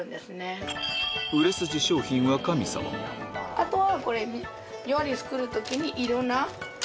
あとは。